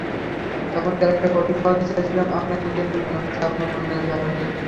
চমৎকার একটা কফি খাওয়াতে চেয়েছিলাম আপনাকে কিন্তু মনে হচ্ছে আপনার মন-মেজাজ ভালো নেই।